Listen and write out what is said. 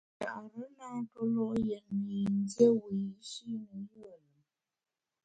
Nchare na ntue lo’ yètne yin dié wiyi’shi ne yùe lùm.